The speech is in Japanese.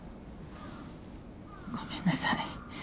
ごめんなさい